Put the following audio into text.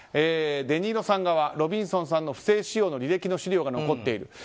デ・ニーロさん側はロビンソンさんの不正使用の履歴の資料が残っている。